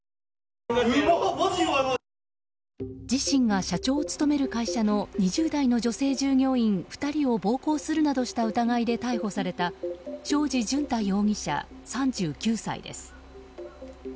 自身が社長を務める会社の２０代の女性従業員２人を暴行するなどした疑いで逮捕された正地淳太容疑者、３９歳です。